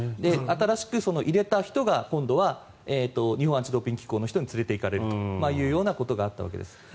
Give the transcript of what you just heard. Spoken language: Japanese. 新しく入れた人が今度は日本アンチ・ドーピング機構の人に連れていかれるというようなことがあったわけです。